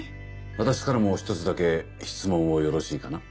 私からも１つだけ質問をよろしいかな？